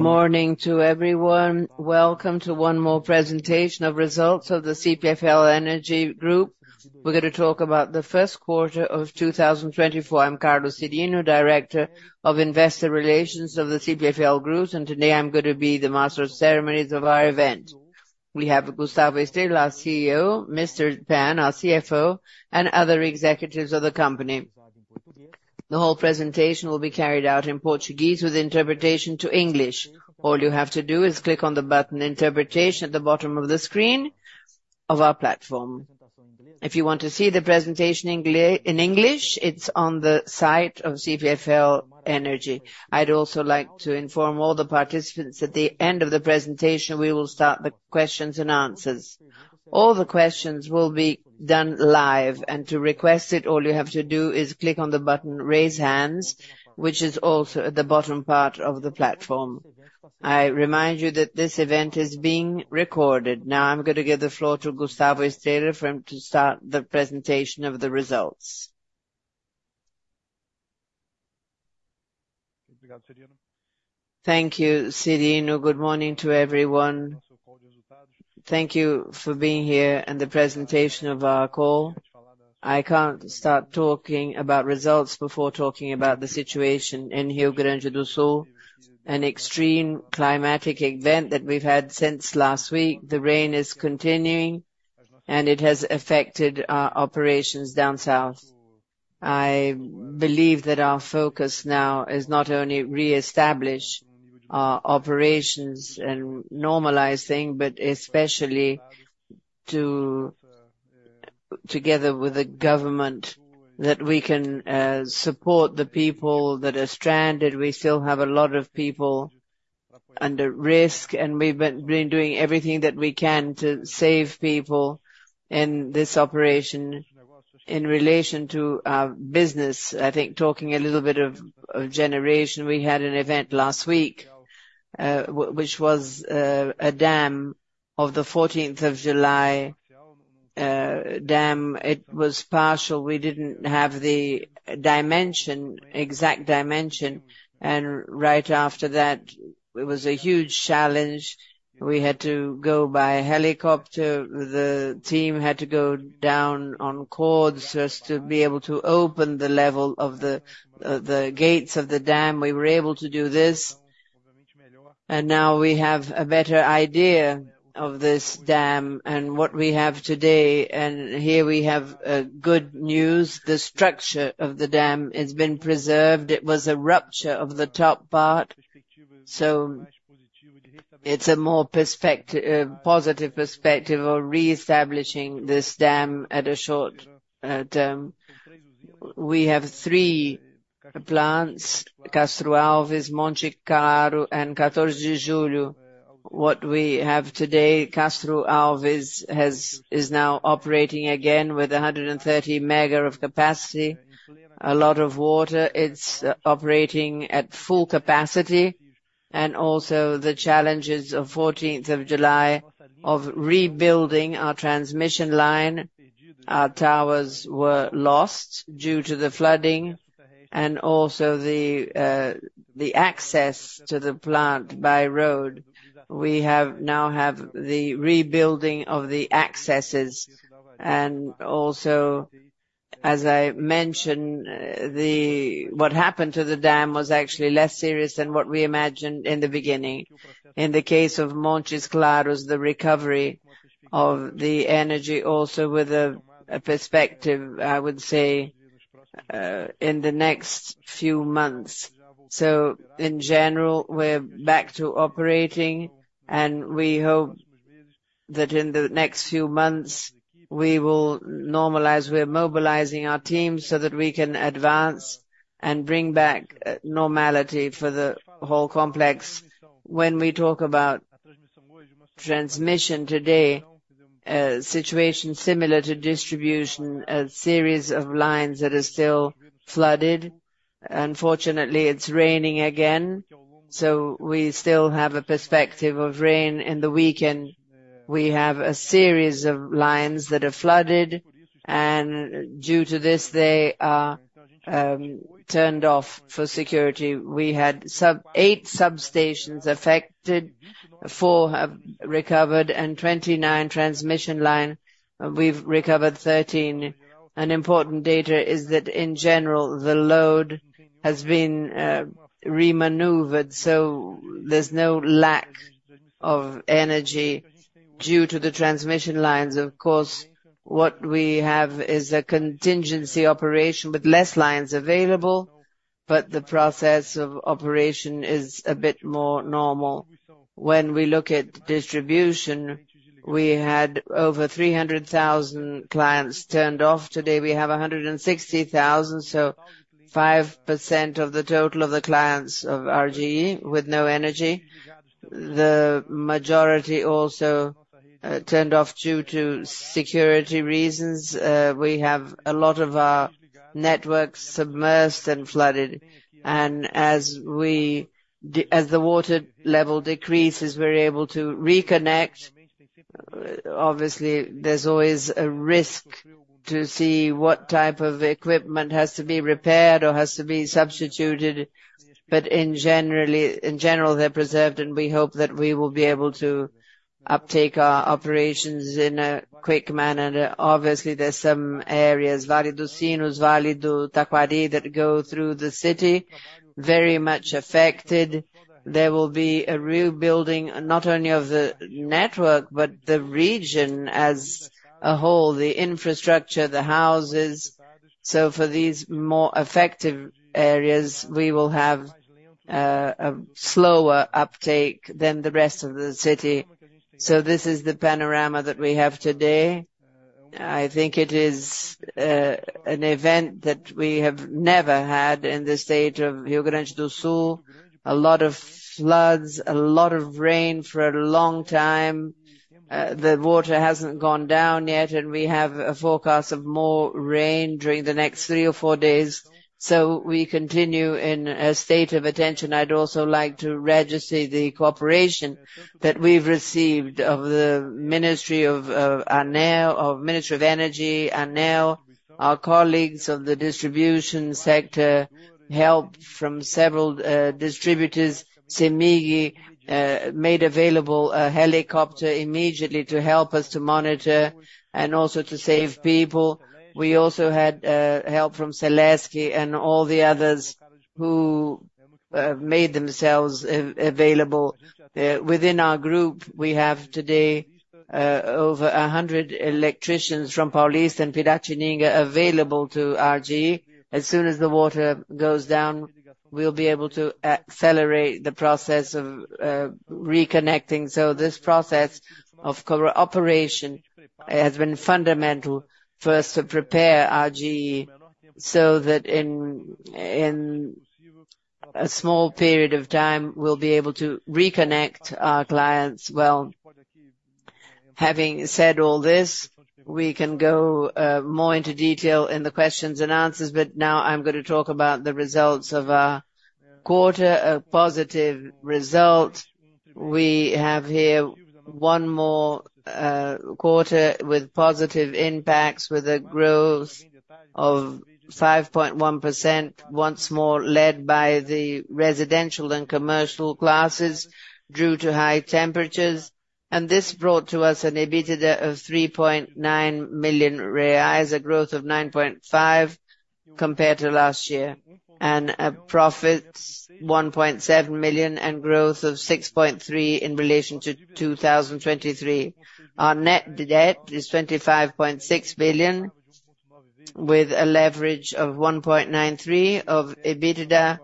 Morning to everyone. Welcome to one more presentation of results of the CPFL Energia Group. We're going to talk about the first quarter of 2024. I'm Carlos Cyrino, Director of Investor Relations of the CPFL Group, and today I'm going to be the master of ceremonies of our event. We have Gustavo Estrella, CEO, Mr. Pan, our CFO, and other executives of the company. The whole presentation will be carried out in Portuguese with interpretation to English. All you have to do is click on the button "Interpretation" at the bottom of the screen of our platform. If you want to see the presentation in English, it's on the site of CPFL Energia. I'd also like to inform all the participants that at the end of the presentation we will start the questions and answers. All the questions will be done live, and to request it, all you have to do is click on the button "Raise Hands," which is also at the bottom part of the platform. I remind you that this event is being recorded. Now I'm going to give the floor to Gustavo Estrella to start the presentation of the results. Thank you, Cyrino. Good morning to everyone. Thank you for being here and the presentation of our call. I can't start talking about results before talking about the situation in Rio Grande do Sul, an extreme climatic event that we've had since last week. The rain is continuing, and it has affected our operations down south. I believe that our focus now is not only to reestablish our operations and normalize things, but especially together with the government, that we can support the people that are stranded. We still have a lot of people under risk, and we've been doing everything that we can to save people in this operation. In relation to our business, I think talking a little bit of generation, we had an event last week which was a dam of the 14th of July dam. It was partial. We didn't have the exact dimension, and right after that, it was a huge challenge. We had to go by helicopter. The team had to go down on cords just to be able to open the level of the gates of the dam. We were able to do this, and now we have a better idea of this dam and what we have today. And here we have good news. The structure of the dam has been preserved. It was a rupture of the top part, so it's a more positive perspective of reestablishing this dam at a short term. We have three plants: Castro Alves, Monte Claro, and 14 de Julho. What we have today, Castro Alves, is now operating again with 130 MW of capacity, a lot of water. It's operating at full capacity. And also the challenges of 14 de Julho of rebuilding our transmission line. Our towers were lost due to the flooding, and also the access to the plant by road. We now have the rebuilding of the accesses. And also, as I mentioned, what happened to the dam was actually less serious than what we imagined in the beginning. In the case of Monte Claro, the recovery of the energy also with a perspective, I would say, in the next few months. So in general, we're back to operating, and we hope that in the next few months we will normalize. We're mobilizing our teams so that we can advance and bring back normality for the whole complex. When we talk about transmission today, a situation similar to distribution, a series of lines that are still flooded. Unfortunately, it's raining again, so we still have a perspective of rain. In the weekend, we have a series of lines that are flooded, and due to this, they are turned off for security. We had eight substations affected. Four have recovered, and 29 transmission lines. We've recovered 13. An important data is that, in general, the load has been remaneuvered, so there's no lack of energy due to the transmission lines. Of course, what we have is a contingency operation with less lines available, but the process of operation is a bit more normal. When we look at distribution, we had over 300,000 clients turned off. Today, we have 160,000, so 5% of the total of the clients of RGE with no energy. The majority also turned off due to security reasons. We have a lot of our networks submerged and flooded. And as the water level decreases, we're able to reconnect. Obviously, there's always a risk to see what type of equipment has to be repaired or has to be substituted, but in general, they're preserved, and we hope that we will be able to uptake our operations in a quick manner. Obviously, there's some areas, Vale do Sinos, Vale do Taquari, that go through the city, very much affected. There will be a rebuilding not only of the network but the region as a whole, the infrastructure, the houses. So for these more affected areas, we will have a slower uptake than the rest of the city. So this is the panorama that we have today. I think it is an event that we have never had in this state of Rio Grande do Sul. A lot of floods, a lot of rain for a long time. The water hasn't gone down yet, and we have a forecast of more rain during the next three or four days, so we continue in a state of attention. I'd also like to register the cooperation that we've received of the Ministry of Mines and Energy, ANEEL. Our colleagues of the distribution sector, help from several distributors, Cemig, made available a helicopter immediately to help us to monitor and also to save people. We also had help from Celesc and all the others who made themselves available. Within our group, we have today over 100 electricians from CPFL Paulista and CPFL Piratininga available to RGE. As soon as the water goes down, we'll be able to accelerate the process of reconnecting. So this process of cooperation has been fundamental, first to prepare RGE so that in a small period of time, we'll be able to reconnect our clients. Well, having said all this, we can go more into detail in the questions and answers, but now I'm going to talk about the results of our quarter, a positive result. We have here one more quarter with positive impacts, with a growth of 5.1% once more led by the residential and commercial classes due to high temperatures. And this brought to us an EBITDA of 3.9 million reais, a growth of 9.5% compared to last year, and a profit of 1.7 million and growth of 6.3% in relation to 2023. Our net debt is 25.6 billion, with a leverage of 1.93x EBITDA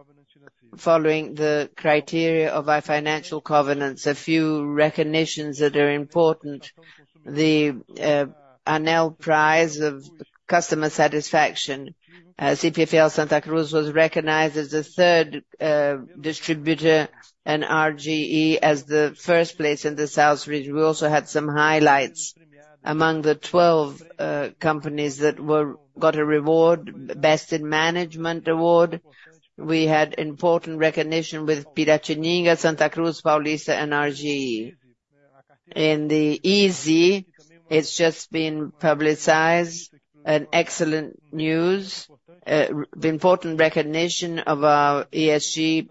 following the criteria of our financial covenants. A few recognitions that are important: the ANEEL Prize of Customer Satisfaction. CPFL Santa Cruz was recognized as the third distributor and RGE, as the first place in the South Region. We also had some highlights. Among the 12 companies that got a reward, Best in Management Award, we had important recognition with Piratininga, Santa Cruz, Paulista, and RGE. In the ESG, it's just been publicized as excellent news. Important recognition of our ESG.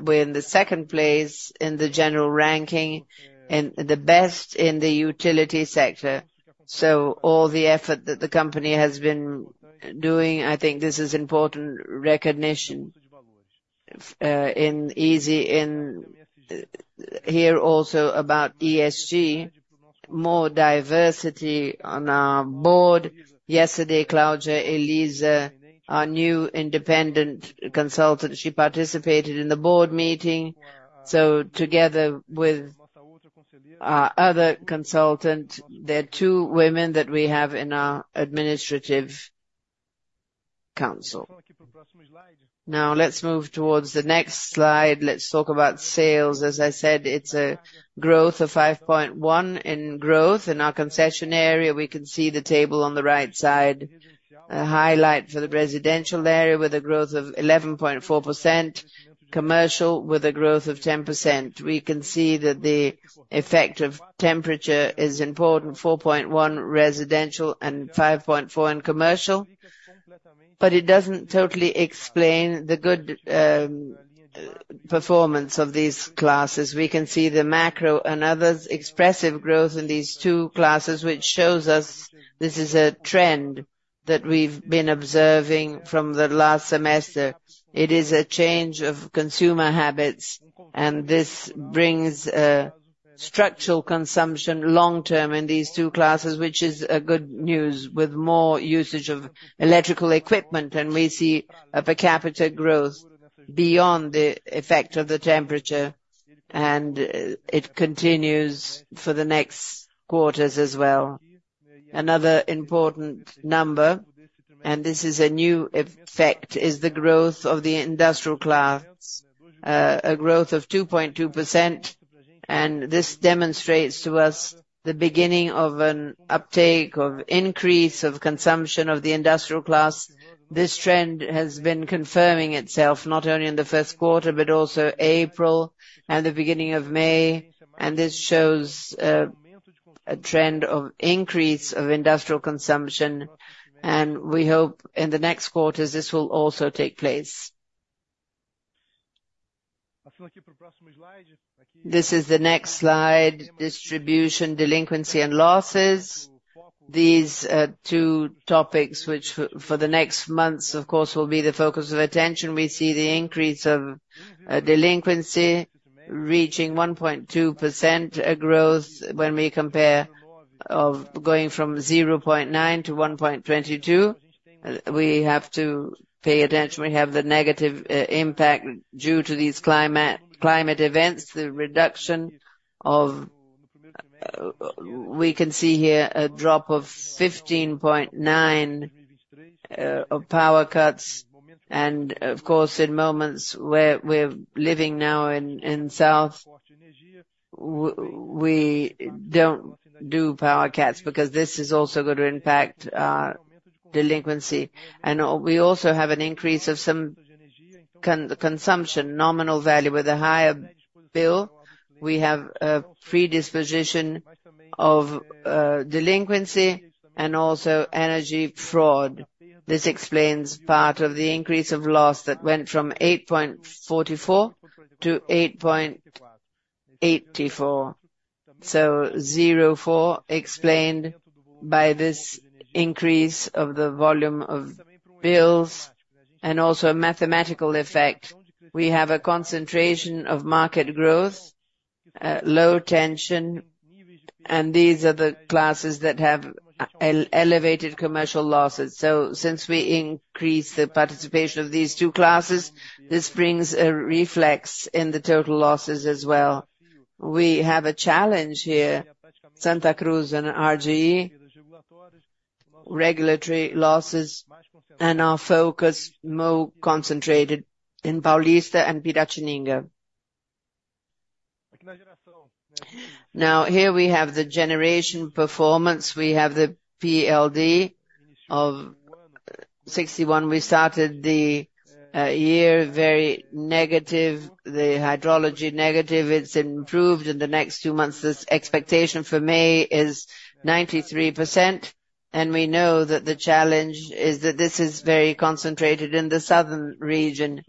We're in the second place in the general ranking and the best in the utility sector. So all the effort that the company has been doing, I think this is important recognition. In ESG, here also about ESG, more diversity on our board. Yesterday, Cláudia Elisa, our new independent consultant, she participated in the board meeting. So together with our other consultant, there are two women that we have in our administrative council. Now let's move towards the next slide. Let's talk about sales. As I said, it's a growth of 5.1 in growth. In our concession area, we can see the table on the right side, a highlight for the residential area with a growth of 11.4%, commercial with a growth of 10%. We can see that the effect of temperature is important, 4.1 residential and 5.4 in commercial, but it doesn't totally explain the good performance of these classes. We can see the macro and others expressive growth in these two classes, which shows us this is a trend that we've been observing from the last semester. It is a change of consumer habits, and this brings structural consumption long-term in these two classes, which is good news, with more usage of electrical equipment, and we see a per capita growth beyond the effect of the temperature, and it continues for the next quarters as well. Another important number, and this is a new effect, is the growth of the industrial class, a growth of 2.2%, and this demonstrates to us the beginning of an uptake of increase of consumption of the industrial class. This trend has been confirming itself not only in the first quarter but also April and the beginning of May, and this shows a trend of increase of industrial consumption, and we hope in the next quarters this will also take place. This is the next slide, distribution, delinquency, and losses. These two topics, which for the next months, of course, will be the focus of attention. We see the increase of delinquency reaching 1.2% growth when we compare going from 0.9%-1.22%. We have to pay attention. We have the negative impact due to these climate events, the reduction of we can see here a drop of 15.9 of power cuts. And of course, in moments where we're living now in South, we don't do power cuts because this is also going to impact delinquency. And we also have an increase of some consumption, nominal value, with a higher bill. We have a predisposition of delinquency and also energy fraud. This explains part of the increase of loss that went from 8.44% to 8.84%. So 0.4% explained by this increase of the volume of bills and also a mathematical effect. We have a concentration of market growth, low tension, and these are the classes that have elevated commercial losses. So since we increase the participation of these two classes, this brings a reflex in the total losses as well. We have a challenge here, Santa Cruz and RGE, regulatory losses, and our focus is more concentrated in Paulista and Piratininga. Now here we have the generation performance. We have the PLD of 61. We started the year very negative, the hydrology negative. It's improved in the next two months. This expectation for May is 93%, and we know that the challenge is that this is very concentrated in the Southern region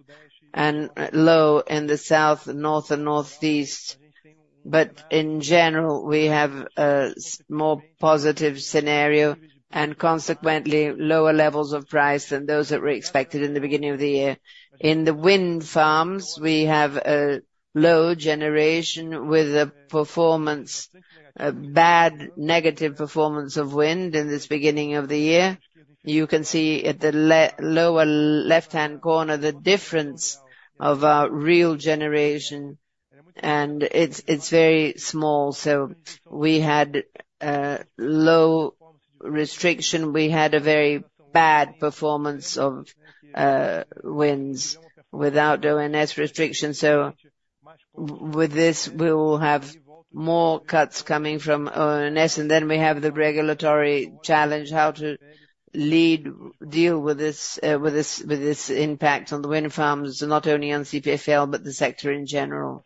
and low in the South, North, and Northeast. But in general, we have a more positive scenario and consequently lower levels of price than those that were expected in the beginning of the year. In the wind farms, we have a low generation with a bad, negative performance of wind in this beginning of the year. You can see at the lower left-hand corner the difference of our real generation, and it's very small. So we had low restriction. We had a very bad performance of winds without ONS restriction. So with this, we will have more cuts coming from ONS, and then we have the regulatory challenge, how to deal with this impact on the wind farms, not only on CPFL but the sector in general.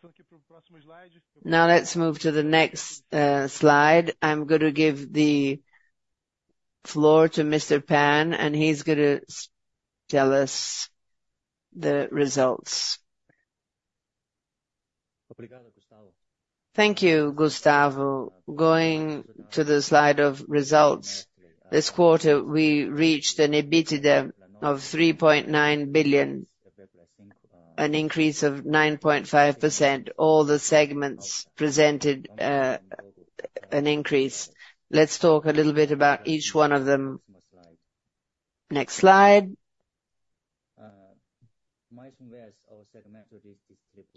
Now let's move to the next slide. I'm going to give the floor to Mr. Pan, and he's going to tell us the results. Thank you, Gustavo. Going to the slide of results. This quarter, we reached an EBITDA of 3.9 billion, an increase of 9.5%. All the segments presented an increase. Let's talk a little bit about each one of them. Next slide.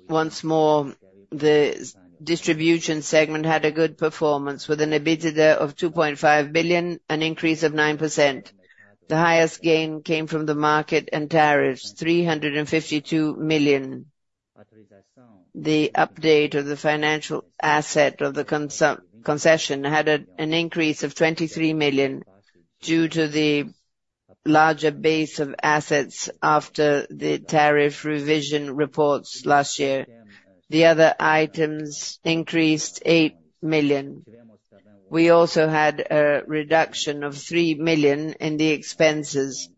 Once more, the distribution segment had a good performance with an EBITDA of 2.5 billion, an increase of 9%. The highest gain came from the market and tariffs, 352 million. The update of the financial asset of the concession had an increase of 23 million due to the larger base of assets after the tariff revision reports last year. The other items increased 8 million. We also had a reduction of 3 million in the expenses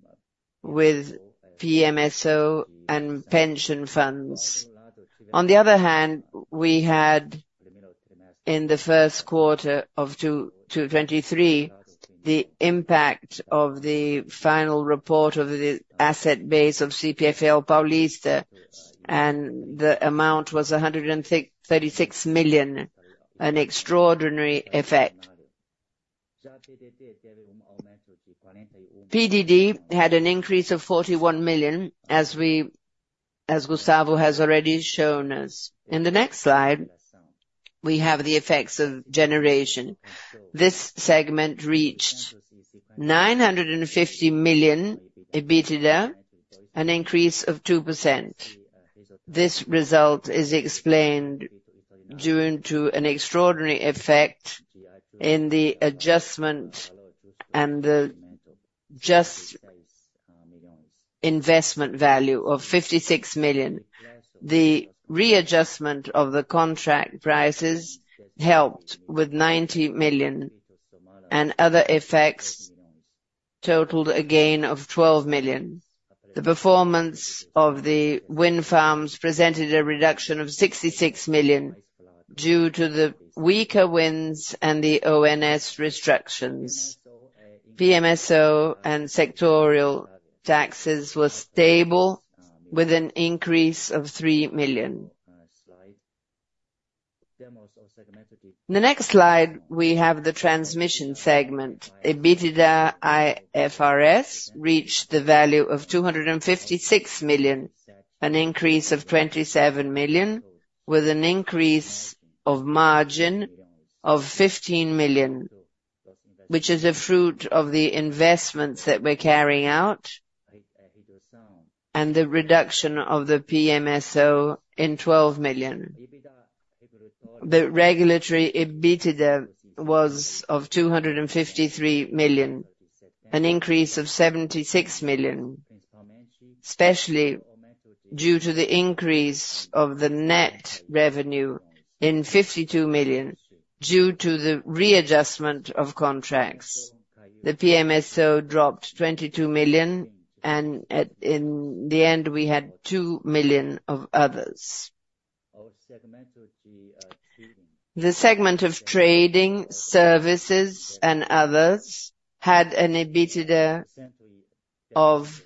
with PMSO and pension funds. On the other hand, we had, in the first quarter of 2023, the impact of the final report of the asset base of CPFL Paulista, and the amount was 136 million, an extraordinary effect. PDD had an increase of 41 million, as Gustavo has already shown us. In the next slide, we have the effects of generation. This segment reached 950 million EBITDA, an increase of 2%. This result is explained due to an extraordinary effect in the adjustment and the just investment value of 56 million. The readjustment of the contract prices helped with 90 million, and other effects totaled a gain of 12 million. The performance of the wind farms presented a reduction of 66 million due to the weaker winds and the ONS restrictions. PMSO and sectorial taxes were stable with an increase of 3 million. In the next slide, we have the transmission segment. EBITDA IFRS reached the value of 256 million, an increase of 27 million, with an increase of margin of 15 million, which is a fruit of the investments that we're carrying out and the reduction of the PMSO in 12 million. The regulatory EBITDA was of 253 million, an increase of 76 million, especially due to the increase of the net revenue in 52 million due to the readjustment of contracts. The PMSO dropped 22 million, and in the end, we had 2 million of others. The segment of trading, services, and others had an EBITDA of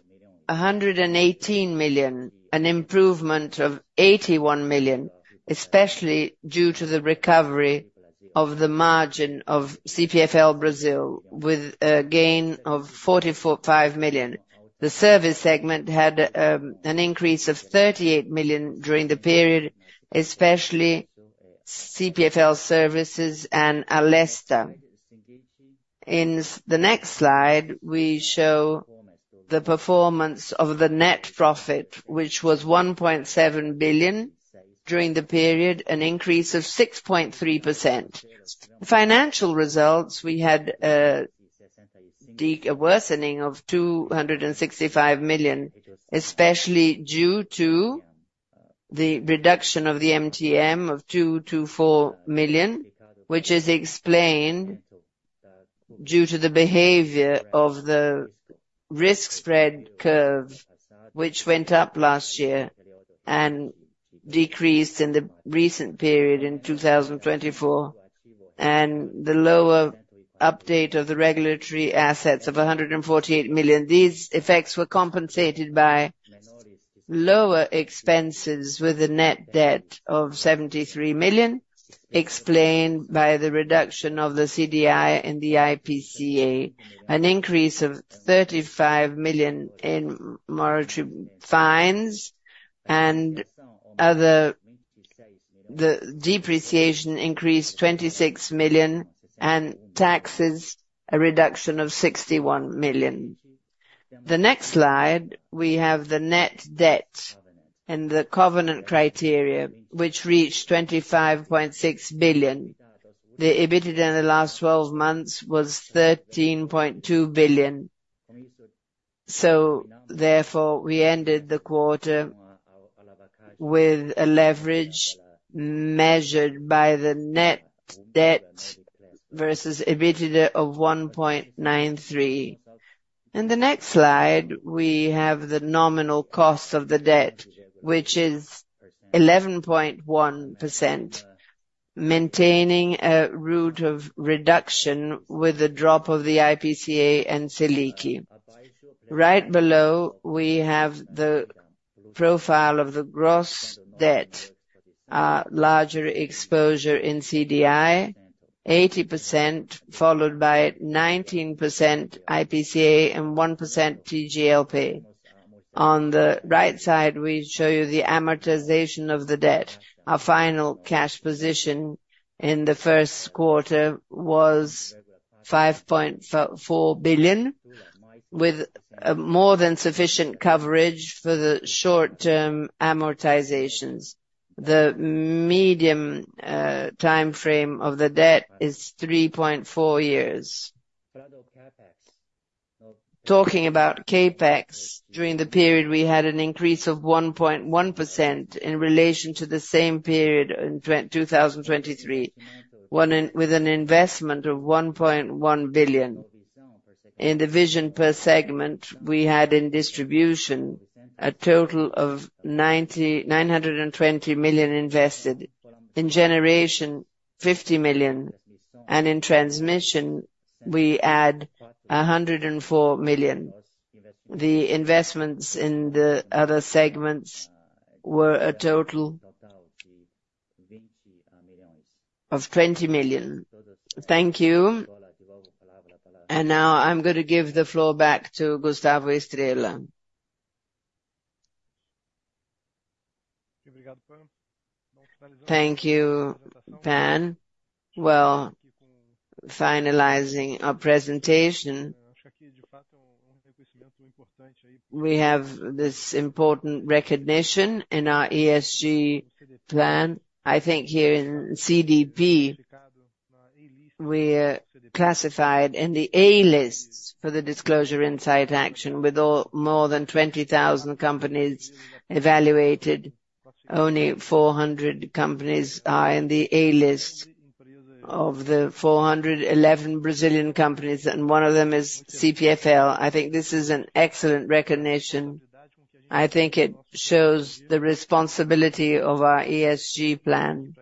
118 million, an improvement of 81 million, especially due to the recovery of the margin of CPFL Brasil with a gain of 44.5 million. The service segment had an increase of 38 million during the period, especially CPFL Services and Alesta. In the next slide, we show the performance of the net profit, which was 1.7 billion during the period, an increase of 6.3%. Financial results, we had a worsening of 265 million, especially due to the reduction of the MTM of 224 million, which is explained due to the behavior of the risk spread curve, which went up last year and decreased in the recent period in 2024, and the lower update of the regulatory assets of 148 million. These effects were compensated by lower expenses with a net debt of 73 million, explained by the reduction of the CDI in the IPCA, an increase of 35 million in moratorium fines, and the depreciation increased 26 million and taxes, a reduction of 61 million. The next slide, we have the net debt and the covenant criteria, which reached 25.6 billion. The EBITDA in the last 12 months was 13.2 billion. So therefore, we ended the quarter with a leverage measured by the net debt versus EBITDA of 1.93x. In the next slide, we have the nominal cost of the debt, which is 11.1%, maintaining a route of reduction with the drop of the IPCA and Selic. Right below, we have the profile of the gross debt, larger exposure in CDI, 80% followed by 19% IPCA and 1% TJLP. On the right side, we show you the amortization of the debt. Our final cash position in the first quarter was 5.4 billion with more than sufficient coverage for the short-term amortizations. The medium time frame of the debt is 3.4 years. Talking about CapEx, during the period, we had an increase of 1.1% in relation to the same period in 2023, with an investment of 1.1 billion. In division per segment, we had in distribution a total of 920 million invested, in generation, 50 million, and in transmission, we add 104 million. The investments in the other segments were a total of 20 million. Thank you. And now I'm going to give the floor back to Gustavo Estrella. Thank you, Pan. Well, finalizing our presentation. We have this important recognition in our ESG plan. I think here in CDP, we're classified in the A List for the Disclosure Insight Action with more than 20,000 companies evaluated. Only 400 companies are in the A List of the 411 Brazilian companies, and one of them is CPFL. I think this is an excellent recognition. I think it shows the responsibility of our ESG plan,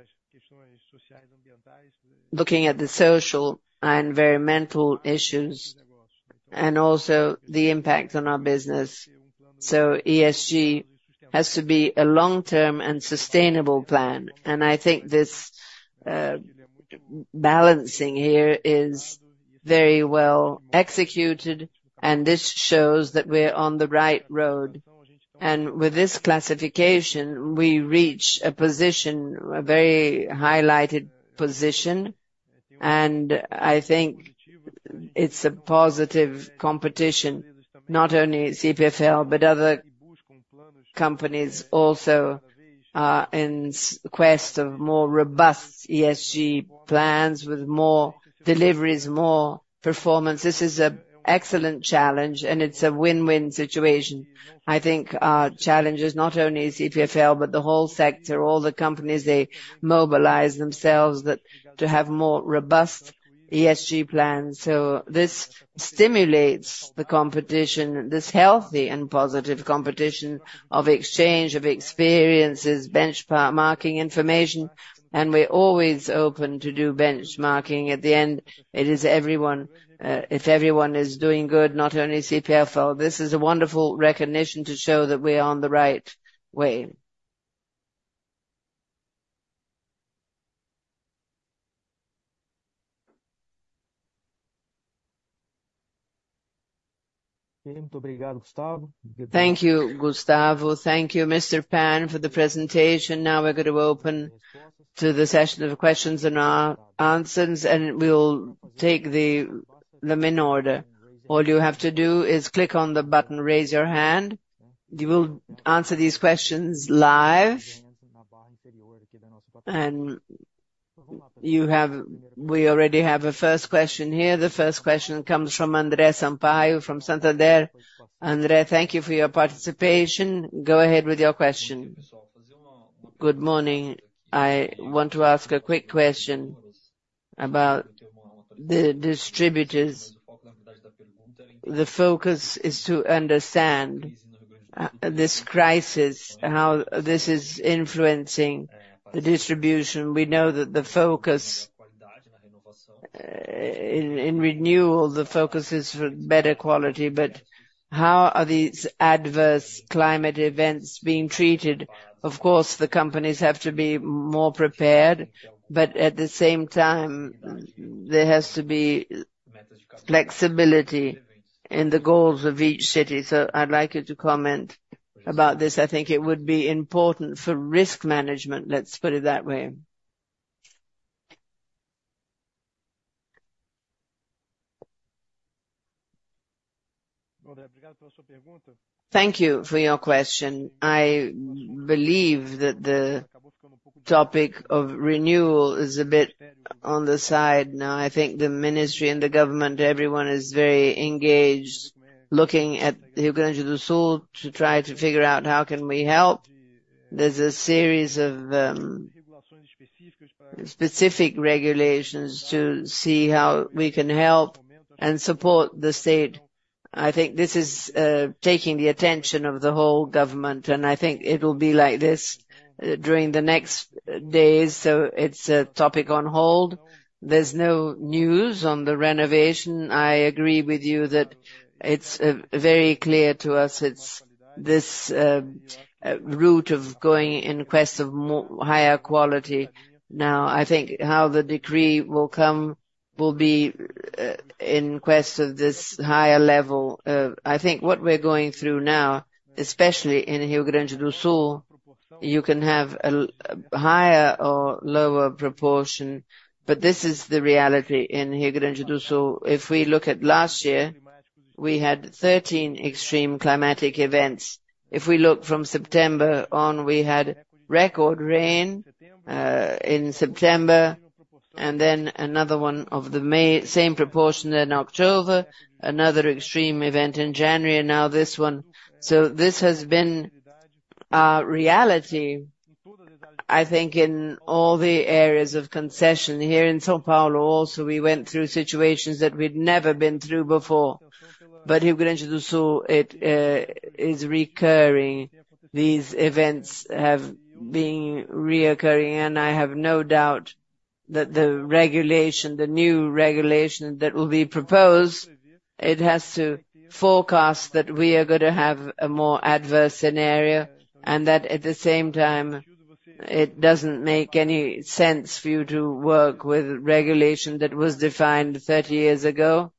looking at the social and environmental issues and also the impact on our business. ESG has to be a long-term and sustainable plan, and I think this balancing here is very well executed, and this shows that we're on the right road. With this classification, we reach a position, a very highlighted position, and I think it's a positive competition, not only CPFL but other companies also in quest of more robust ESG plans with more deliveries, more performance. This is an excellent challenge, and it's a win-win situation. I think our challenge is not only CPFL but the whole sector, all the companies, they mobilize themselves to have more robust ESG plans. This stimulates the competition, this healthy and positive competition of exchange of experiences, benchmarking information, and we're always open to do benchmarking. At the end, it is everyone. If everyone is doing good, not only CPFL, this is a wonderful recognition to show that we're on the right way. Thank you, Gustavo. Thank you, Mr. Pan, for the presentation. Now we're going to open to the session of questions and answers, and we'll take the minute order. All you have to do is click on the button, raise your hand. You will answer these questions live, and we already have a first question here. The first question comes from André Sampaio from Santander. André, thank you for your participation. Go ahead with your question. Good morning. I want to ask a quick question about the distributors. The focus is to understand this crisis, how this is influencing the distribution. We know that the focus in renewal, the focus is for better quality, but how are these adverse climate events being treated? Of course, the companies have to be more prepared, but at the same time, there has to be flexibility in the goals of each city. So I'd like you to comment about this. I think it would be important for risk management, let's put it that way. Thank you for your question. I believe that the topic of renewal is a bit on the side now. I think the ministry and the government, everyone is very engaged looking at Rio Grande do Sul to try to figure out how can we help. There's a series of specific regulations to see how we can help and support the state. I think this is taking the attention of the whole government, and I think it will be like this during the next days. So it's a topic on hold. There's no news on the renewal. I agree with you that it's very clear to us it's this route of going in quest of higher quality. Now, I think how the decree will come will be in quest of this higher level. I think what we're going through now, especially in Rio Grande do Sul, you can have a higher or lower proportion, but this is the reality in Rio Grande do Sul. If we look at last year, we had 13 extreme climatic events. If we look from September on, we had record rain in September, and then another one of the same proportion in October, another extreme event in January, and now this one. So this has been our reality, I think, in all the areas of concession. Here in São Paulo also, we went through situations that we'd never been through before, but Rio Grande do Sul, it is recurring. These events have been recurring, and I have no doubt that the regulation, the new regulation that will be proposed, it has to forecast that we are going to have a more adverse scenario and that at the same time, it doesn't make any sense for you to work with regulation that was defined 30 years ago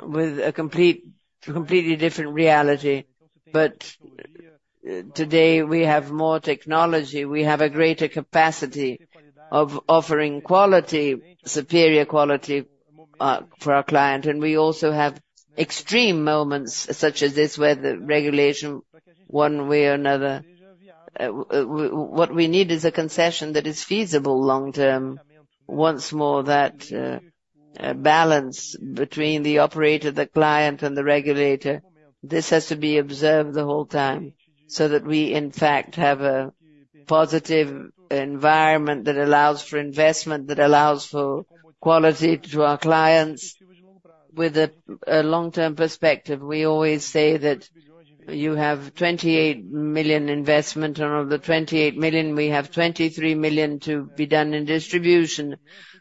with a completely different reality. But today, we have more technology. We have a greater capacity of offering quality, superior quality for our client, and we also have extreme moments such as this where the regulation, one way or another, what we need is a concession that is feasible long-term. Once more, that balance between the operator, the client, and the regulator, this has to be observed the whole time so that we, in fact, have a positive environment that allows for investment, that allows for quality to our clients with a long-term perspective. We always say that you have 28 million investment, and of the 28 million, we have 23 million to be done in distribution.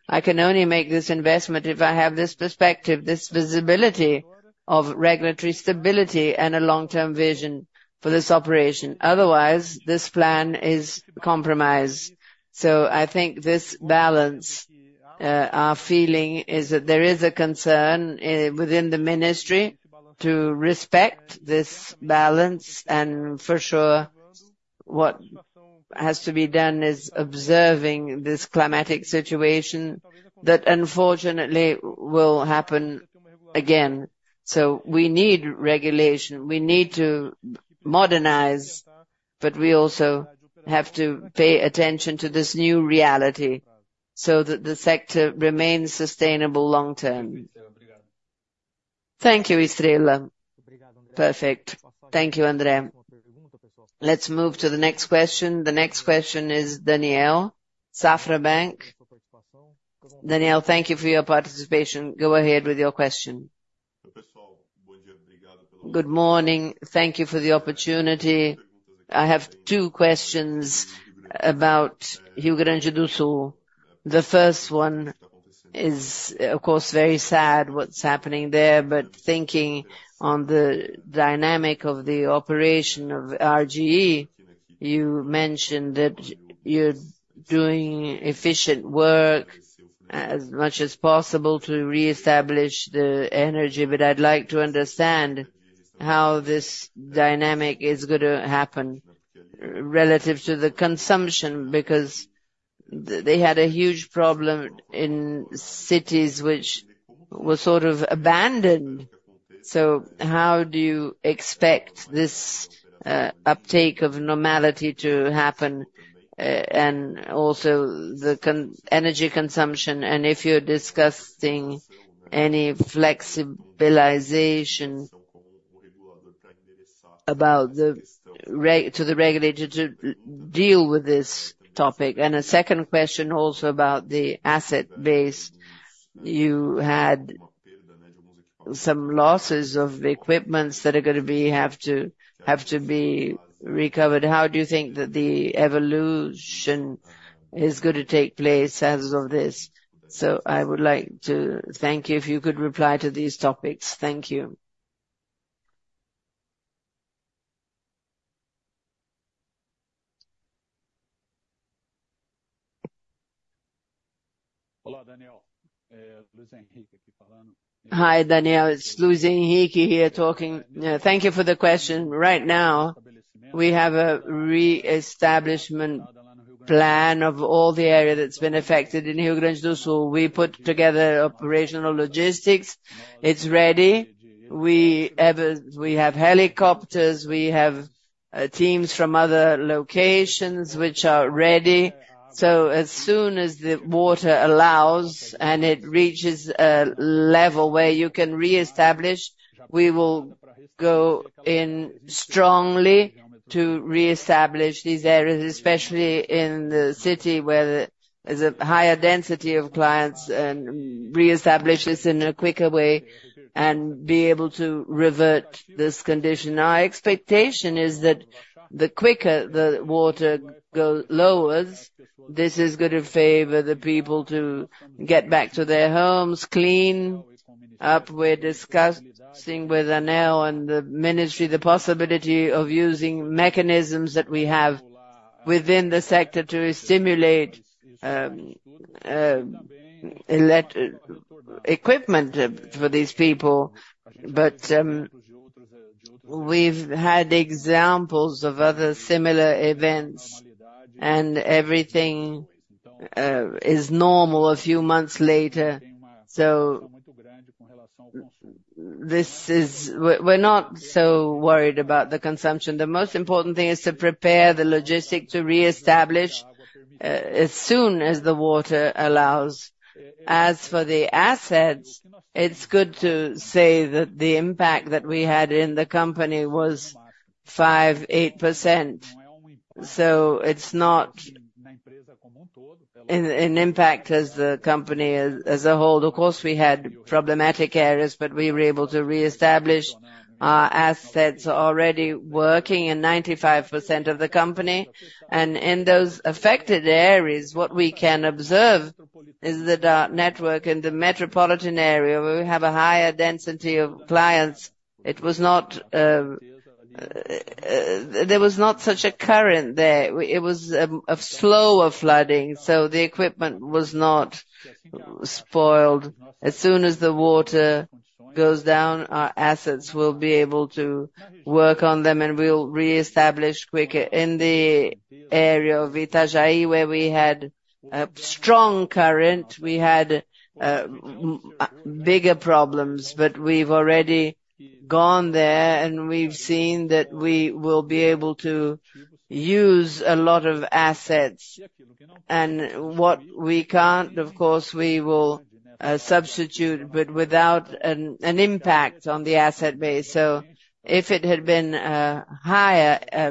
I can only make this investment if I have this perspective, this visibility of regulatory stability, and a long-term vision for this operation. Otherwise, this plan is compromised. So I think this balance, our feeling is that there is a concern within the ministry to respect this balance, and for sure, what has to be done is observing this climatic situation that unfortunately will happen again. So we need regulation. We need to modernize, but we also have to pay attention to this new reality so that the sector remains sustainable long-term. Thank you, Estrella. Perfect. Thank you, André. Let's move to the next question. The next question is Daniel, Safra Bank. Daniel, thank you for your participation. Go ahead with your question. Good morning. Thank you for the opportunity. I have two questions about Rio Grande do Sul. The first one is, of course, very sad what's happening there, but thinking on the dynamic of the operation of RGE, you mentioned that you're doing efficient work as much as possible to reestablish the energy, but I'd like to understand how this dynamic is going to happen relative to the consumption because they had a huge problem in cities which were sort of abandoned. So how do you expect this uptake of normality to happen and also the energy consumption? If you're discussing any flexibilization to the regulator to deal with this topic. A second question also about the asset base. You had some losses of equipments that are going to have to be recovered. How do you think that the evolution is going to take place as of this? I would like to thank you if you could reply to these topics. Thank you. Hi, Daniel. It's Luís Henrique here talking. Thank you for the question. Right now, we have a reestablishment plan of all the area that's been affected in Rio Grande do Sul. We put together operational logistics. It's ready. We have helicopters. We have teams from other locations which are ready. So as soon as the water allows and it reaches a level where you can reestablish, we will go in strongly to reestablish these areas, especially in the city where there's a higher density of clients, and reestablish this in a quicker way and be able to revert this condition. Our expectation is that the quicker the water goes lower, this is going to favor the people to get back to their homes, clean up. We're discussing with ANEEL and the ministry the possibility of using mechanisms that we have within the sector to stimulate equipment for these people, but we've had examples of other similar events, and everything is normal a few months later. So we're not so worried about the consumption. The most important thing is to prepare the logistics to reestablish as soon as the water allows. As for the assets, it's good to say that the impact that we had in the company was 5.8%. So it's not an impact as the company as a whole. Of course, we had problematic areas, but we were able to reestablish. Our assets are already working in 95% of the company. In those affected areas, what we can observe is that our network in the metropolitan area, where we have a higher density of clients, there was not such a current there. It was a slower flooding, so the equipment was not spoiled. As soon as the water goes down, our assets will be able to work on them, and we'll reestablish quicker. In the area of Itajaí, where we had a strong current, we had bigger problems, but we've already gone there, and we've seen that we will be able to use a lot of assets. And what we can't, of course, we will substitute, but without an impact on the asset base. So if it had been a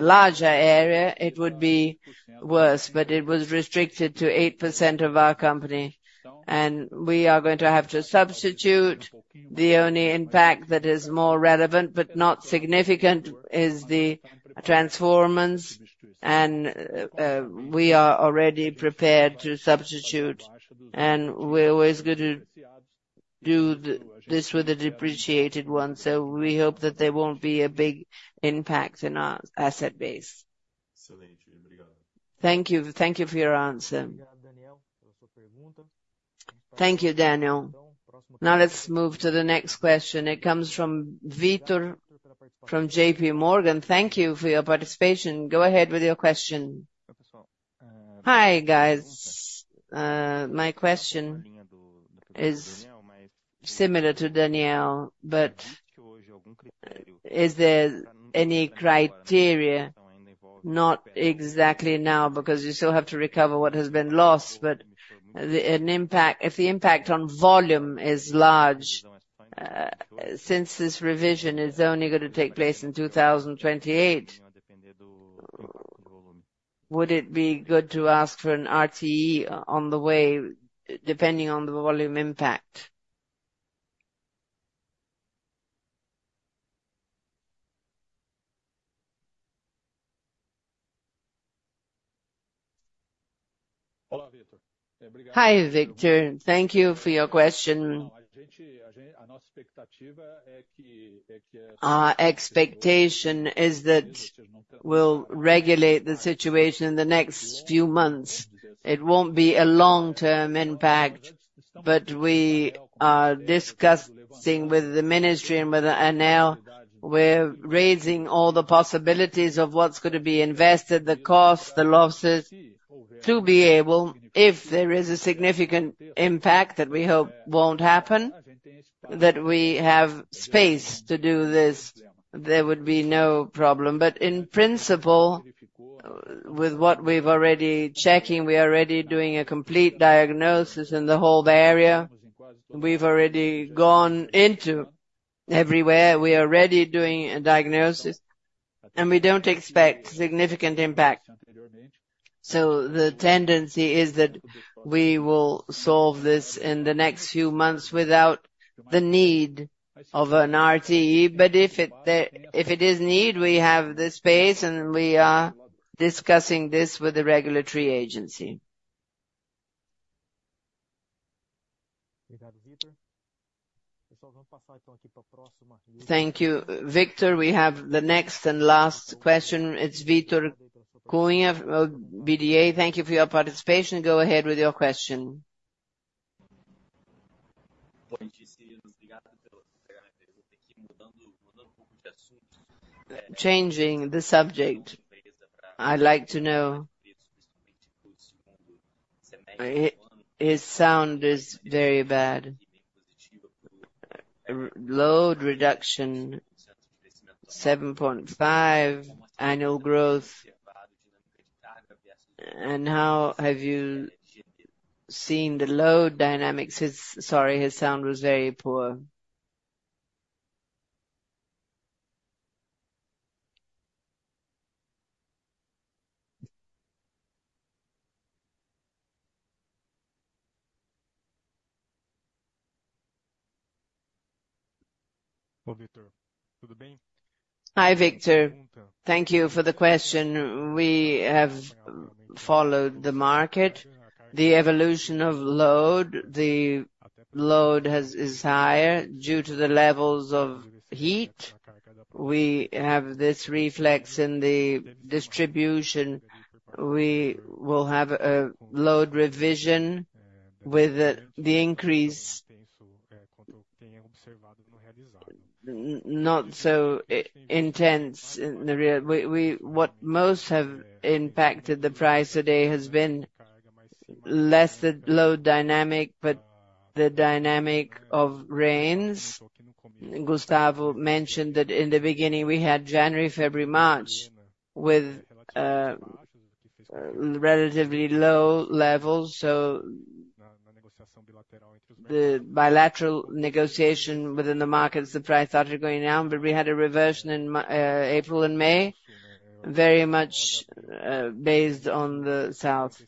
larger area, it would be worse, but it was restricted to 8% of our company, and we are going to have to substitute. The only impact that is more relevant but not significant is the transformers, and we are already prepared to substitute. We're always going to do this with the depreciated ones, so we hope that there won't be a big impact in our asset base. Thank you for your answer. Thank you, Daniel. Now let's move to the next question. It comes from Victor from JPMorgan. Thank you for your participation. Go ahead with your question. Hi, guys. My question is similar to Daniel, but is there any criteria? Not exactly now because you still have to recover what has been lost, but if the impact on volume is large since this revision is only going to take place in 2028, would it be good to ask for an RTE on the way depending on the volume impact? Hi, Victor. Thank you for your question. Our expectation is that we'll regulate the situation in the next few months. It won't be a long-term impact, but we are discussing with the ministry and with ANEEL. We're raising all the possibilities of what's going to be invested, the cost, the losses to be able, if there is a significant impact that we hope won't happen, that we have space to do this, there would be no problem. But in principle, with what we've already checking, we are already doing a complete diagnosis in the whole area. We've already gone into everywhere. We are already doing a diagnosis, and we don't expect significant impact. So the tendency is that we will solve this in the next few months without the need of an RTE, but if it is need, we have the space, and we are discussing this with the regulatory agency. Thank you, Victor. We have the next and last question. It's Victor Cunha, BBA. Thank you for your participation. Go ahead with your question. And how have you seen the load dynamics? Sorry, his sound was very poor. Hi, Victor. Thank you for the question. We have followed the market, the evolution of load. The load is higher due to the levels of heat. We have this reflex in the distribution. We will have a load revision with the increase. Not so intense in the real. What most has impacted the price today has been less the load dynamic, but the dynamic of rains. Gustavo mentioned that in the beginning, we had January, February, March with relatively low levels, so the bilateral negotiation within the markets, the price started going down, but we had a reversion in April and May very much based on the south.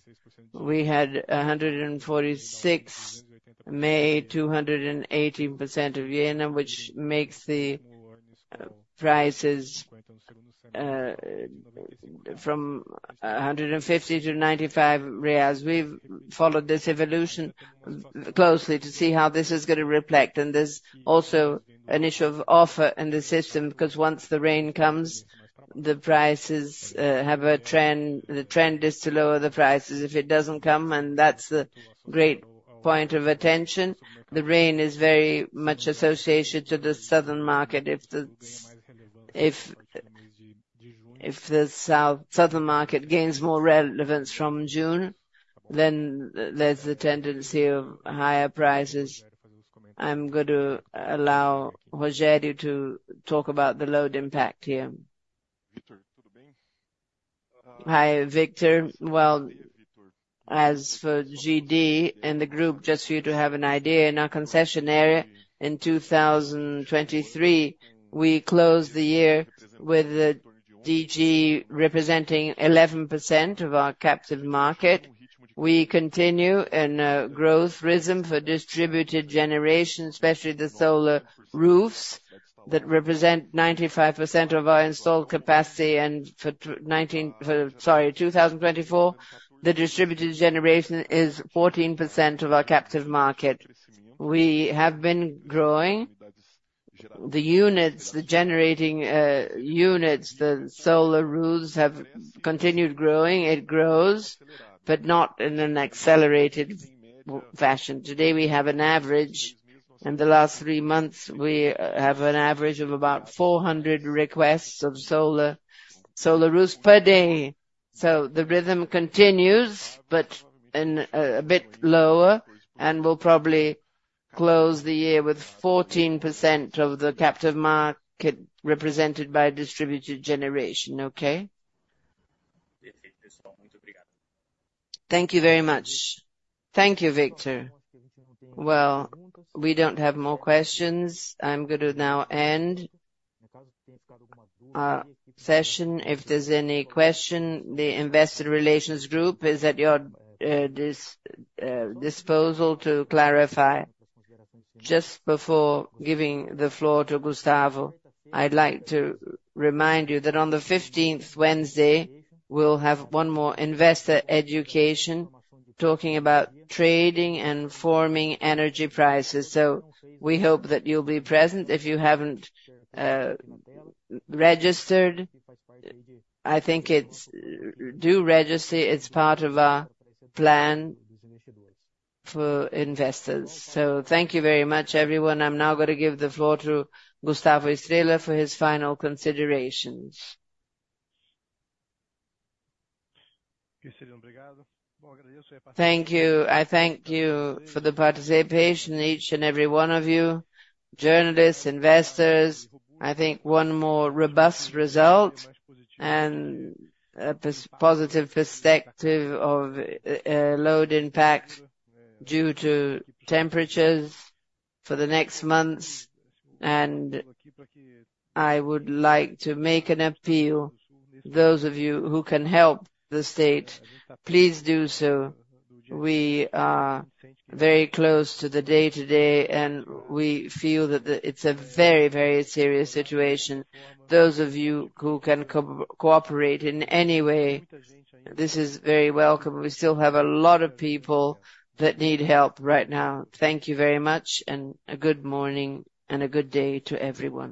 We had 146, May 280% of yen, which makes the prices from 150-95 reais. We've followed this evolution closely to see how this is going to reflect, and there's also an issue of offer in the system because once the rain comes, the prices have a trend. The trend is to lower the prices if it doesn't come, and that's the great point of attention. The rain is very much associated to the southern market. If the southern market gains more relevance from June, then there's the tendency of higher prices. I'm going to allow Rogério to talk about the load impact here. Hi, Vitor. Well, as for GD in the group, just for you to have an idea, in our concession area in 2023, we closed the year with the DG representing 11% of our captive market. We continue in a growth rhythm for distributed generation, especially the solar roofs that represent 95% of our installed capacity. For 2024, the distributed generation is 14% of our captive market. We have been growing. The generating units, the solar roofs, have continued growing. It grows, but not in an accelerated fashion. Today, we have an average, and the last three months, we have an average of about 400 requests of solar roofs per day. The rhythm continues, but a bit lower, and we'll probably close the year with 14% of the captive market represented by distributed generation. Okay? Thank you very much. Thank you, Victor. Well, we don't have more questions. I'm going to now end the session. If there's any question, the investor relations group is at your disposal to clarify. Just before giving the floor to Gustavo, I'd like to remind you that on the 15th, Wednesday, we'll have one more investor education talking about trading and forming energy prices. So we hope that you'll be present. If you haven't registered, I think do register. It's part of our plan for investors. So thank you very much, everyone. I'm now going to give the floor to Gustavo Estrella for his final considerations. Thank you. I thank you for the participation, each and every one of you, journalists, investors. I think one more robust result and a positive perspective of load impact due to temperatures for the next months. And I would like to make an appeal, those of you who can help the state, please do so. We are very close to the day today, and we feel that it's a very, very serious situation. Those of you who can cooperate in any way, this is very welcome. We still have a lot of people that need help right now. Thank you very much, and a good morning and a good day to everyone.